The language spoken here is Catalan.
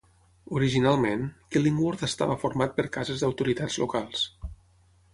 Originalment, Killingworth estava format per cases d'autoritats locals.